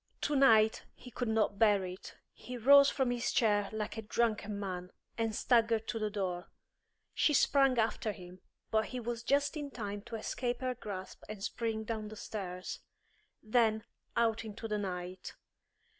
Tonight he could not bear it. He rose from his chair like a drunken man, and staggered to the door. She sprang after him, but he was just in time to escape her grasp and spring down the stairs; then, out into the night.